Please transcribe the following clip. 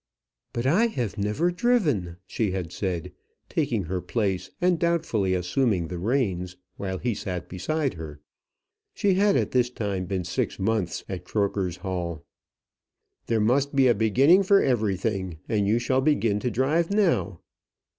"But I never have driven," she had said, taking her place, and doubtfully assuming the reins, while he sat beside her. She had at this time been six months at Croker's Hall. "There must be a beginning for everything, and you shall begin to drive now."